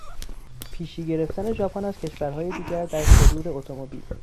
پیشی گرفتن ژاپن از کشورهای دیگر در صدور اتومبیل